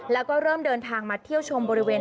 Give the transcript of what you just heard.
แล้วก็เริ่มเดินทางมาเที่ยวชมบริเวณ